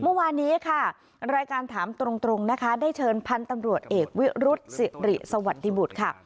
เมื่อวานนี้ค่ะรายการถามตรงนะคะได้เชิญพันธ์ตำรวจเอกวิรุษศิริสวัสดิบุตรค่ะ